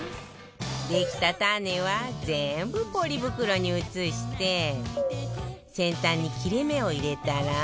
できたタネは全部ポリ袋に移して先端に切れ目を入れたら